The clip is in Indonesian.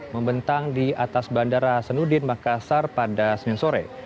membentang di atas bandara hasanuddin makassar pada senin sore